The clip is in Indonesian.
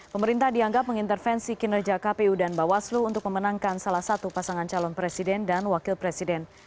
pemerintah dianggap mengintervensi kinerja kpu dan bawaslu untuk memenangkan salah satu pasangan calon presiden dan wakil presiden